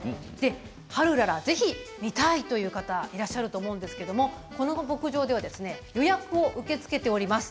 ハルウララ、ぜひ見たいという方いらっしゃると思うんですけれどこの牧場では予約を受け付けております。